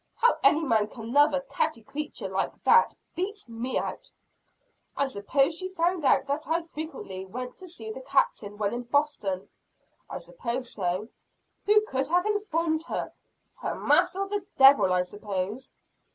How any man can love a catty creature like that, beats me out." "I suppose she found out that I went frequently to see the Captain, when in Boston?" "I suppose so." "Who could have informed her?" "Her master, the devil, I suppose."